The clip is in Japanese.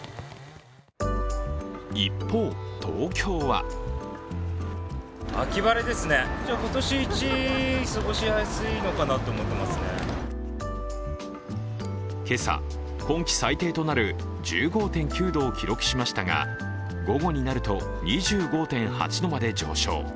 一方、東京は今朝、今季最低となる１５．９度を記録しましたが午後になると２５．８度まで上昇。